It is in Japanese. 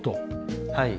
はい。